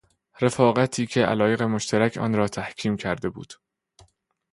رفاقتی که علایق مشترک آن را تحکیم کرده بود